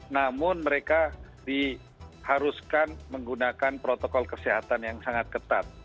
namun mereka diharuskan menggunakan protokol kesehatan yang sangat ketat